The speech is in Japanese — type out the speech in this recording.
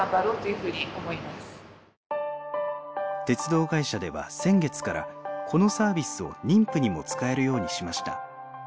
鉄道会社では先月からこのサービスを妊婦にも使えるようにしました。